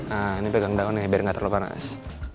nah ini pegang daun ya biar nggak terlalu panas